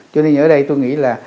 cho nên ở đây tôi nghĩ là